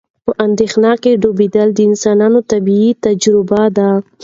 په اندېښنه کې ډوبېدل د انسانانو طبیعي تجربه ده.